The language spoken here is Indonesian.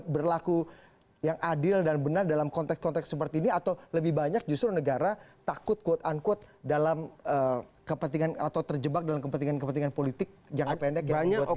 berlaku yang adil dan benar dalam konteks konteks seperti ini atau lebih banyak justru negara takut quote unquote dalam kepentingan atau terjebak dalam kepentingan kepentingan politik jangka pendek